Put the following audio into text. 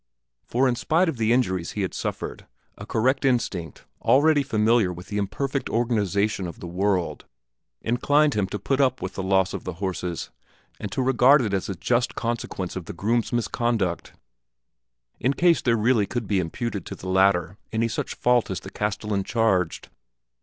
For in spite of the injuries he had suffered, a correct instinct, already familiar with the imperfect organization of the world, inclined him to put up with the loss of the horses and to regard it as a just consequence of the groom's misconduct in case there really could be imputed to the latter any such fault as the castellan charged.